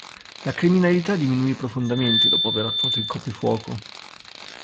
La criminalità diminuì profondamente dopo aver attuato il coprifuoco.